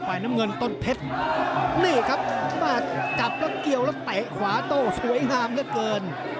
น้ำเงินต้นเพชรนี่ครับมาจับแล้วเกี่ยวแล้วเตะขวาโต้สวยงามเหลือเกิน